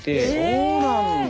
そうなんだ！